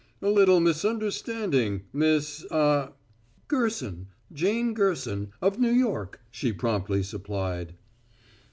"A little misunderstanding, Miss ah " "Gerson Jane Gerson, of New York," she promptly supplied.